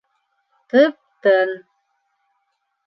Тып-тын.